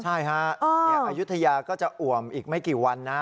ใช่ฮะอายุทยาก็จะอ่วมอีกไม่กี่วันนะ